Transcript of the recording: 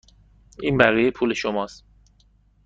این بقیه پول شما است.